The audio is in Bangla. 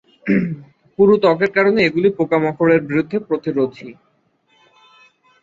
পুরু ত্বকের কারণে এগুলি পোকামাকড়ের বিরুদ্ধে প্রতিরোধী।